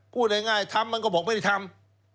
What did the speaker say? พูดง่ายทำมันก็บอกไม่ได้ทำ